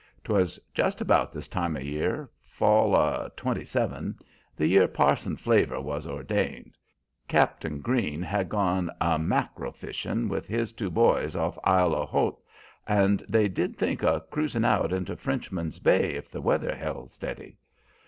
'Twas just about this time o' year, fall of '27, the year Parson Flavor was ordained, Cap'n Green had gone a mack'rel fishin' with his two boys off Isle au Haut, and they did think o' cruisin' out into Frenchman's Bay if the weather hel' steady.